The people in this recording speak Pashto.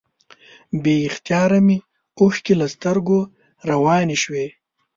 بې اختیاره مې اوښکې له سترګو روانې شوې.